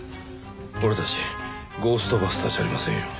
俺たちゴーストバスターじゃありませんよ。